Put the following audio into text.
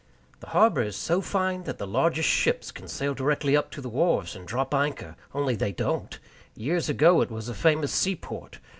The harbor is so fine that the largest ships can sail directly up to the wharves and drop anchor. Only they don't. Years ago it was a famous seaport.